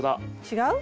違う？